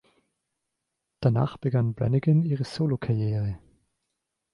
Danach begann Branigan ihre Solokarriere.